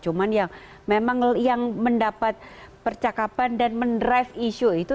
cuman yang memang yang mendapat percakapan dan men drive isu itu